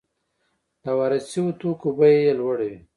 د وارد شویو توکو بیه یې لوړه وي